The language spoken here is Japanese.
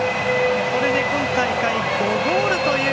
これで今大会５ゴール！